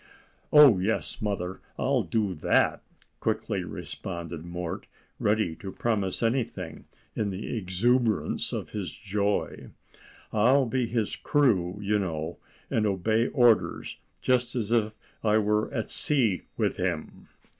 "Oh yes, mother, I'll do that," quickly responded Mort, ready to promise anything in the exuberance of his joy. "I'll be his crew, you know, and obey orders just as if I were at sea with him."